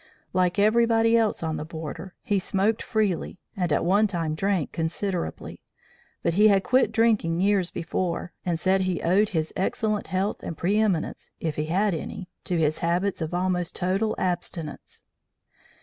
Like everybody else on the border, he smoked freely, and at one time drank considerably; but he had quit drinking years before, and said he owed his excellent health and preeminence, if he had any, to his habits of almost total abstinence.